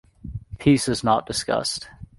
Peace is not discussed.